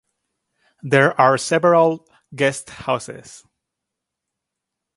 There are several guesthouses.